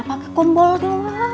pake kombol doang